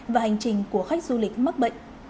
và hành trình của khách du lịch mắc bệnh